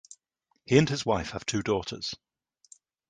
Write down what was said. He and his wife have two daughters.